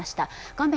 画面